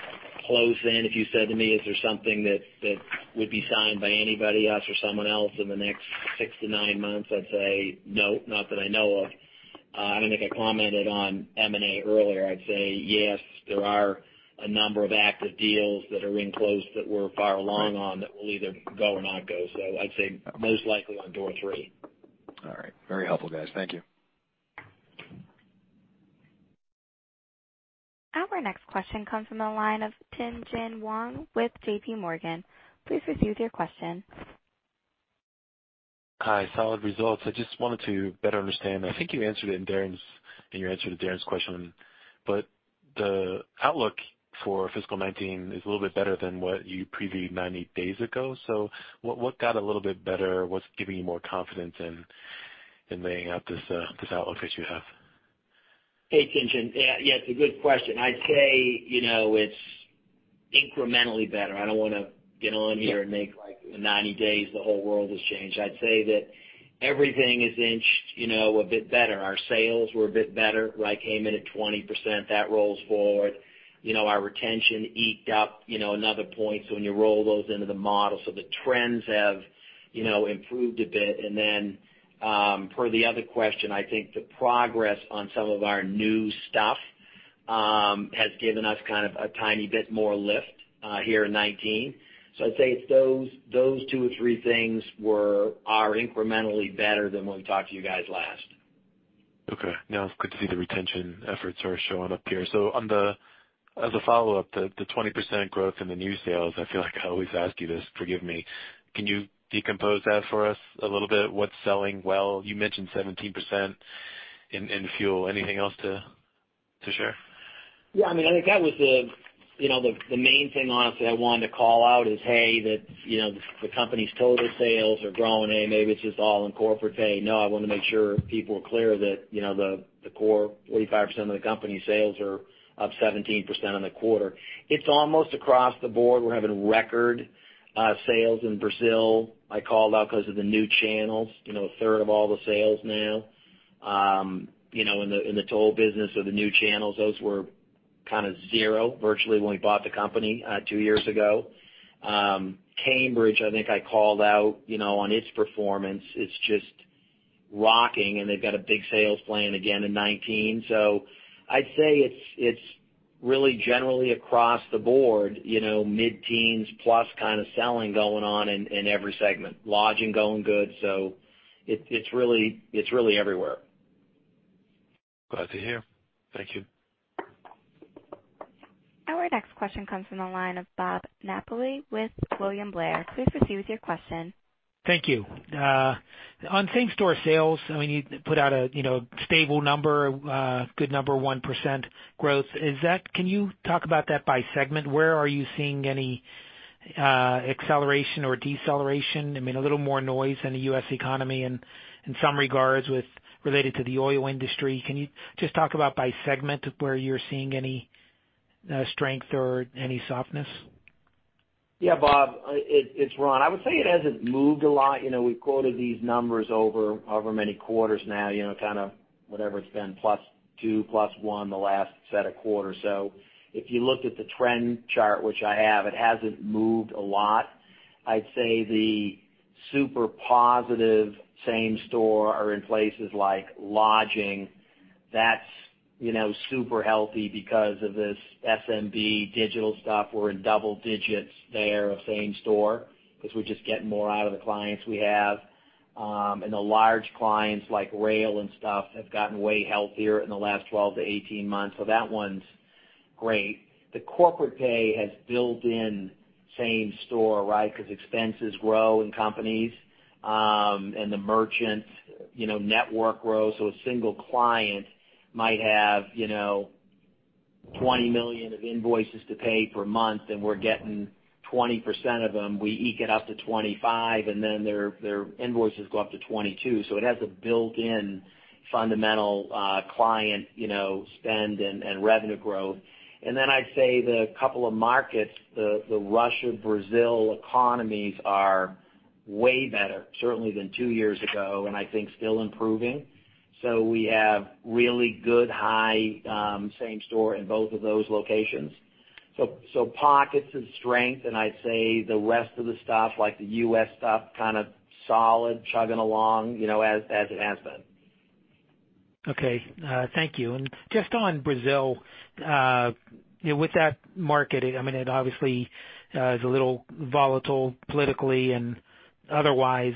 close in. If you said to me, is there something that would be signed by anybody else or someone else in the next six to nine months, I'd say no, not that I know of. I don't know if I commented on M&A earlier. I'd say yes, there are a number of active deals that are in close that we're far along on that will either go or not go. I'd say most likely on door three. All right. Very helpful, guys. Thank you. Our next question comes from the line of Tien-Tsin Huang with J.P. Morgan. Please proceed with your question. Hi. Solid results. I just wanted to better understand. I think you answered it in your answer to Darrin's question, but the outlook for fiscal 2019 is a little bit better than what you previewed 90 days ago. What got a little bit better? What's giving you more confidence in laying out this outlook that you have? Hey, Tien-Tsin. Yeah, it's a good question. I'd say it's incrementally better. I don't want to get on here and make like in 90 days the whole world has changed. I'd say that everything is inched a bit better. Our sales were a bit better. I came in at 20%. That rolls forward. Our retention eked up another point, when you roll those into the model. The trends have improved a bit. Per the other question, I think the progress on some of our new stuff has given us kind of a tiny bit more lift here in 2019. I'd say it's those two or three things are incrementally better than when we talked to you guys last. Okay. No, it's good to see the retention efforts are showing up here. As a follow-up, the 20% growth in the new sales, I feel like I always ask you this, forgive me. Can you decompose that for us a little bit? What's selling well? You mentioned 17% in fuel. Anything else to share? I think that was the main thing honestly, I wanted to call out is, hey, the company's total sales are growing, and maybe it's just all in Corporate Pay. No, I want to make sure people are clear that the core 45% of the company sales are up 17% on the quarter. It's almost across the board. We're having record sales in Brazil. I called out because of the new channels. A third of all the sales now in the toll business or the new channels, those were kind of zero virtually when we bought the company two years ago. Cambridge, I think I called out on its performance. It's just rocking, and they've got a big sales plan again in 2019. I'd say it's really generally across the board, mid-teens plus kind of selling going on in every segment. Lodging going good. It's really everywhere. Glad to hear. Thank you. Our next question comes from the line of Bob Napoli with William Blair. Please proceed with your question. Thank you. On same-store sales, you put out a stable number, good number, 1% growth. Can you talk about that by segment? Where are you seeing any acceleration or deceleration? A little more noise in the U.S. economy in some regards related to the oil industry. Can you just talk about by segment where you're seeing any strength or any softness? Bob, it's Ron. I would say it hasn't moved a lot. We've quoted these numbers over however many quarters now, kind of whatever it's been, plus two, plus one the last set of quarters. If you looked at the trend chart, which I have, it hasn't moved a lot. I'd say the super positive same store are in places like lodging. That's super healthy because of this SMB digital stuff. We're in double digits there of same store because we're just getting more out of the clients we have. The large clients like Rail and stuff have gotten way healthier in the last 12-18 months. That one's great. The Corporate Pay has built in same store, right? Because expenses grow in companies, and the merchants network grow. A single client might have $20 million of invoices to pay per month, and we're getting 20% of them. We eke it up to 25%, then their invoices go up to $22 million. It has a built-in fundamental client spend and revenue growth. Then I'd say the couple of markets, the Russia, Brazil economies are way better, certainly than two years ago, and I think still improving. We have really good high same store in both of those locations. Pockets of strength, and I'd say the rest of the stuff, like the U.S. stuff, kind of solid chugging along as it has been. Thank you. Just on Brazil, with that market, it obviously is a little volatile politically and otherwise.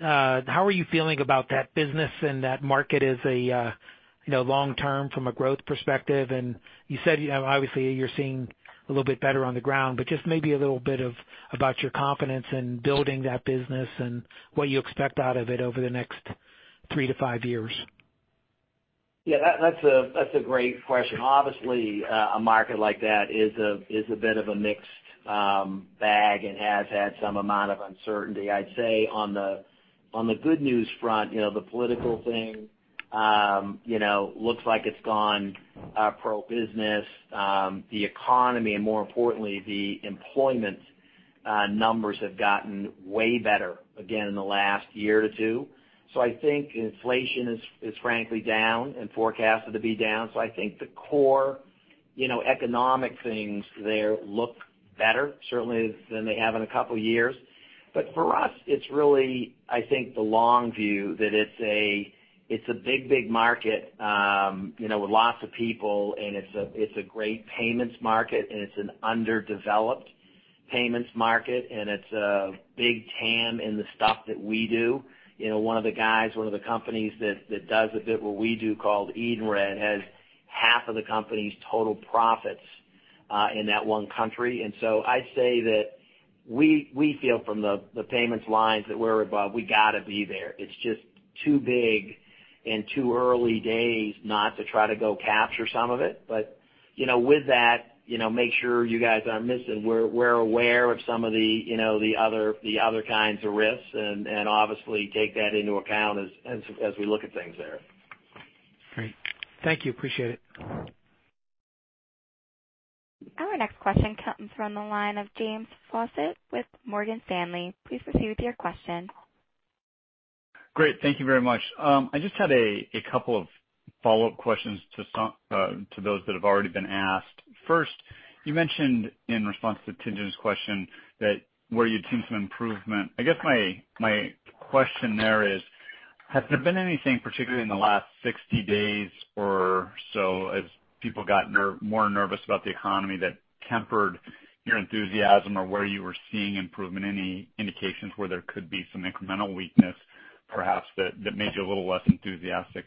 How are you feeling about that business and that market as a long term from a growth perspective? You said, obviously, you're seeing a little bit better on the ground, but just maybe a little bit about your confidence in building that business and what you expect out of it over the next three to five years. That's a great question. Obviously, a market like that is a bit of a mixed bag and has had some amount of uncertainty. I'd say on the good news front, the political thing looks like it's gone pro-business. The economy and more importantly, the employment numbers have gotten way better again in the last year or two. I think inflation is frankly down and forecasted to be down. I think the core economic things there look better, certainly than they have in a couple of years. For us, it's really the long view that it's a big, big market with lots of people, and it's a great payments market, and it's an underdeveloped payments market, and it's a big TAM in the stuff that we do. One of the companies that does a bit what we do called Edenred has half of the company's total profits in that one country. I say that we feel from the payments lines that we're above, we got to be there. It's just too big and too early days not to try to go capture some of it. With that, make sure you guys aren't missing. We're aware of some of the other kinds of risks and obviously take that into account as we look at things there. Great. Thank you. Appreciate it. Our next question comes from the line of James Faucette with Morgan Stanley. Please proceed with your question. Great. Thank you very much. I just had a couple of follow-up questions to those that have already been asked. First, you mentioned in response to Tien-Tsin's question that where you'd seen some improvement. I guess my question there is, has there been anything, particularly in the last 60 days or so, as people got more nervous about the economy that tempered your enthusiasm or where you were seeing improvement, any indications where there could be some incremental weakness, perhaps, that made you a little less enthusiastic?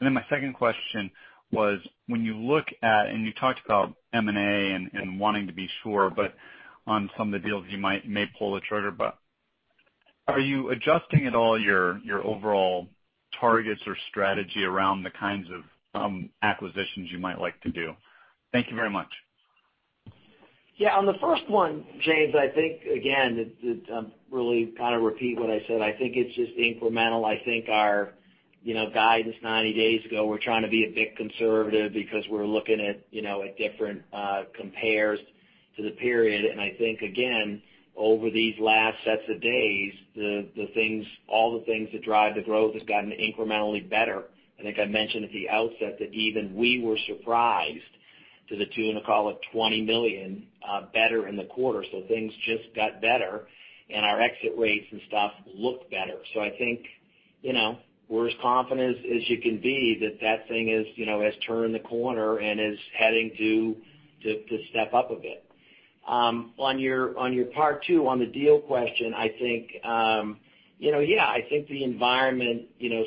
My second question was, when you look at, and you talked about M&A and wanting to be sure, but on some of the deals you may pull the trigger, but are you adjusting at all your overall targets or strategy around the kinds of acquisitions you might like to do? Thank you very much. Yeah. On the first one, James, I think, again, to really kind of repeat what I said, I think it's just incremental. I think our guidance 90 days ago, we're trying to be a bit conservative because we're looking at different compares to the period. I think, again, over these last sets of days, all the things that drive the growth has gotten incrementally better. I think I mentioned at the outset that even we were surprised to the tune of, call it, $20 million better in the quarter. Things just got better and our exit rates and stuff look better. I think we're as confident as you can be that thing has turned the corner and is heading to step up a bit. On your part two, on the deal question, I think the environment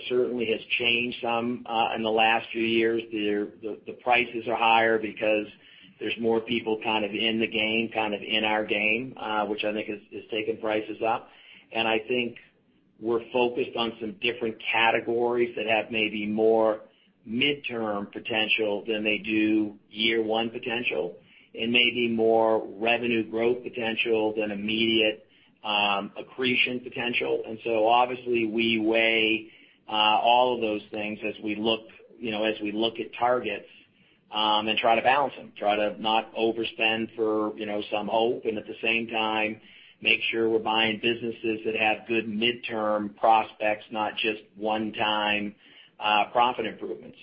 certainly has changed some in the last few years. The prices are higher because there's more people in the game, in our game, which I think has taken prices up. I think we're focused on some different categories that have maybe more midterm potential than they do year one potential and maybe more revenue growth potential than immediate accretion potential. Obviously we weigh all of those things as we look at targets and try to balance them, try to not overspend for some hope, and at the same time, make sure we're buying businesses that have good midterm prospects, not just one-time profit improvements.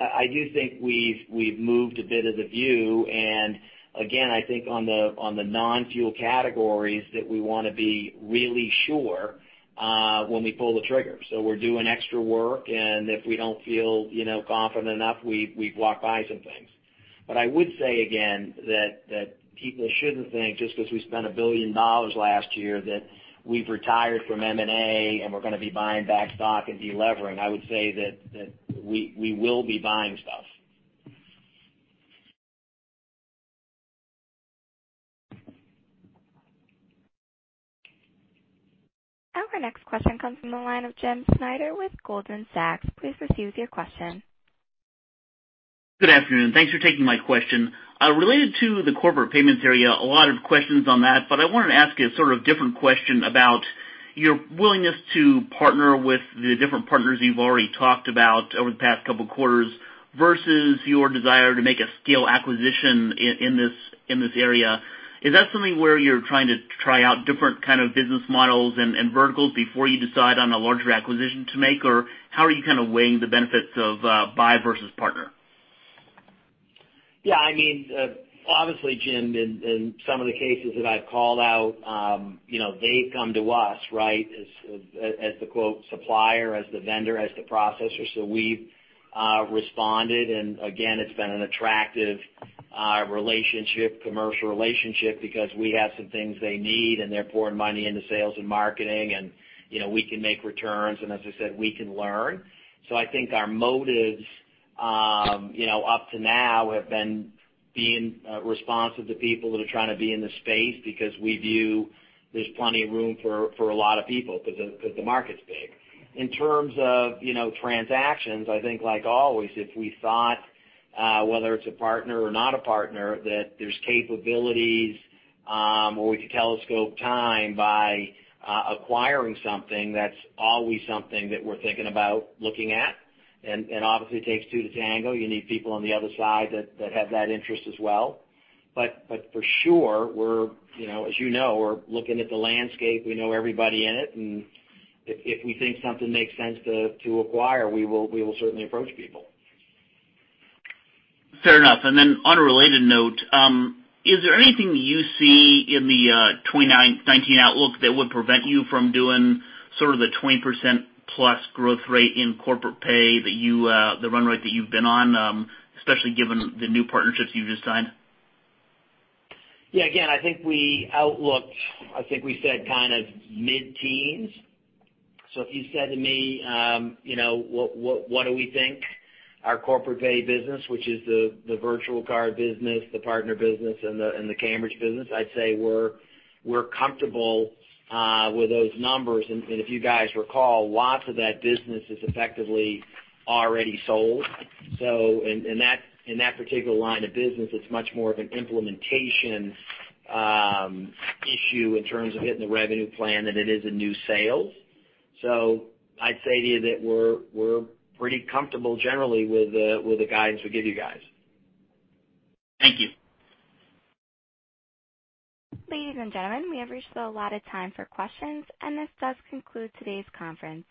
I do think we've moved a bit of the view, and again, I think on the non-fuel categories, that we want to be really sure when we pull the trigger. We're doing extra work, and if we don't feel confident enough, we walk by some things. I would say again, that people shouldn't think just because we spent $1 billion last year, that we've retired from M&A, and we're going to be buying back stock and de-levering. I would say that we will be buying stuff. Our next question comes from the line of Jim Schneider with Goldman Sachs. Please proceed with your question. Good afternoon. Thanks for taking my question. Related to the Corporate Pay area, a lot of questions on that, but I wanted to ask you a sort of different question about your willingness to partner with the different partners you've already talked about over the past couple of quarters versus your desire to make a scale acquisition in this area. Is that something where you're trying to try out different kind of business models and verticals before you decide on a larger acquisition to make? How are you kind of weighing the benefits of buy versus partner? Yeah. Obviously, Jim, in some of the cases that I've called out, they've come to us, as the quote, supplier, as the vendor, as the processor. We've responded, and again, it's been an attractive commercial relationship because we have some things they need, and they're pouring money into sales and marketing, and we can make returns, and as I said, we can learn. I think our motives up to now have been being responsive to people that are trying to be in the space because we view there's plenty of room for a lot of people because the market's big. In terms of transactions, I think like always, if we thought, whether it's a partner or not a partner, that there's capabilities, or we could telescope time by acquiring something, that's always something that we're thinking about looking at. Obviously it takes two to tango. You need people on the other side that have that interest as well. For sure, as you know, we're looking at the landscape. We know everybody in it, and if we think something makes sense to acquire, we will certainly approach people. Fair enough. On a related note, is there anything you see in the 2019 outlook that would prevent you from doing sort of the 20%+ growth rate in Corporate Pay, the run rate that you've been on, especially given the new partnerships you've just signed? Yeah. I think we outlooked, I think we said kind of mid-teens. If you said to me, what do we think our Corporate Pay business, which is the virtual card business, the partner business, and the Cambridge business, I'd say we're comfortable with those numbers. If you guys recall, lots of that business is effectively already sold. In that particular line of business, it's much more of an implementation issue in terms of hitting the revenue plan than it is a new sales. I'd say to you that we're pretty comfortable generally with the guidance we give you guys. Thank you. Ladies and gentlemen, we have reached the allotted time for questions, and this does conclude today's conference.